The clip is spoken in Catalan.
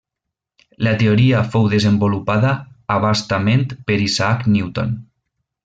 La teoria fou desenvolupada a bastament per Isaac Newton.